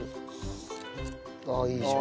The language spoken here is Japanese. ああいいじゃん。